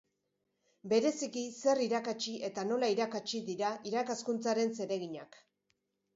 Bereziki zer irakatsi eta nola irakatsi dira irakaskuntzaren zereginak.